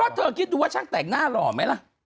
เธอคิดดูว่าช่างแต่งหน้าหล่อไหมล่ะ